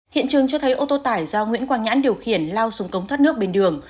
hiện trường cho thấy ô tô tải do nguyễn quang nhãn điều khiển lao xuống cống thoát nước bên đường